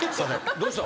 どうした？